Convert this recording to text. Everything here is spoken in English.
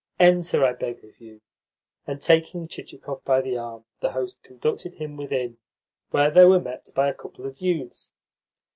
Enter, I beg of you." And, taking Chichikov by the arm, the host conducted him within, where they were met by a couple of youths.